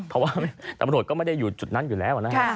เพราะว่าตำรวจก็ไม่ได้อยู่จุดนั้นอยู่แล้วนะฮะ